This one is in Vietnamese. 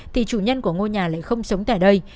thì chủ nhân của ngôi nhà lại không sống tại đây